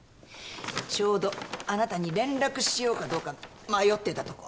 ちょうどあなたに連絡しようかどうか迷ってたとこ。